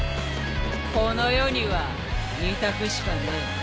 この世には２択しかねえ。